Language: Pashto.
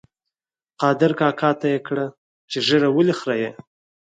قادر کاکا ته یې کړه چې ږیره ولې خرېیې؟